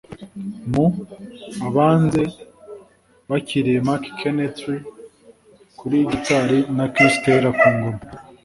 Mu , Abanze bakiriye Mike Kennerty kuri gitari na Chris Taylor ku ngoma.